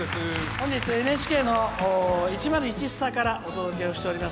本日はＮＨＫの１０１スタからお届けしております。